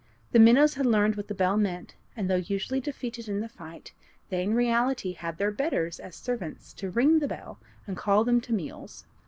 The minnows had learned what the bell meant, and though usually defeated in the fight, they in reality had their betters as servants to ring the bell and call them to meals.